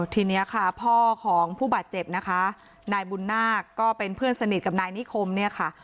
ทีนี้ค่ะพ่อของผู้บาดเจ็บนะคะนายบุญนาคก็เป็นเพื่อนสนิทกับนายนิคมเนี่ยค่ะ